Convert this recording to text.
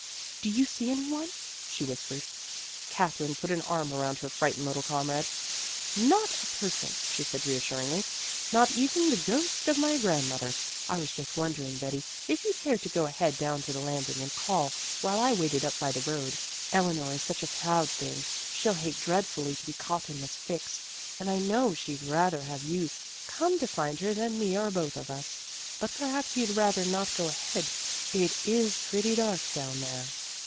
"Do you see any one?" she whispered. Katherine put an arm around her frightened little comrade. "Not a person," she said reassuringly, "not even the ghost of my grandmother. I was just wondering, Betty, if you'd care to go ahead down to the landing and call, while I waited up by the road. Eleanor is such a proud thing; she'll hate dreadfully to be caught in this fix, and I know she'd rather have you come to find her than me or both of us. But perhaps you'd rather not go ahead. It is pretty dark down there."